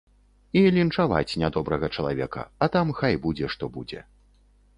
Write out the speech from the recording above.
І лінчаваць нядобрага чалавека, а там хай будзе што будзе.